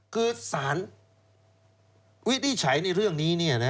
คือสารวิธีใช้ในเรื่องนี้